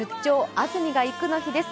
安住さんがいく」の日です。